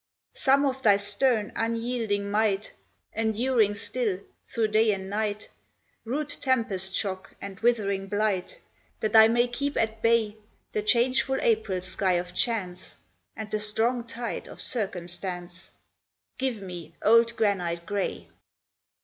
Some of thy stern, unyielding might, Enduring still through day and night Rude tempest shock and withering blight, That I may keep at bay The changeful April sky of chance And the strong tide of circumstance, Give me, old granite gray.